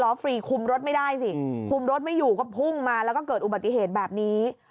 ฟรีคุมรถไม่ได้สิคุมรถไม่อยู่ก็พุ่งมาแล้วก็เกิดอุบัติเหตุแบบนี้